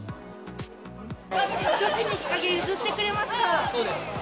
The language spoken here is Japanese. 女子に日陰譲ってくれました。